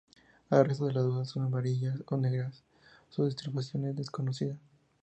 El resto de las bolas son amarillas o negras, su distribución es desconocida.